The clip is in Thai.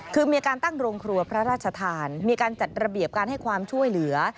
คือมีการตั้งโรงครัวพระราชทานมีการจัดระเบียบการให้ความช่วยเหลือ